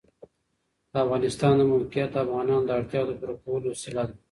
د افغانستان د موقعیت د افغانانو د اړتیاوو د پوره کولو وسیله ده.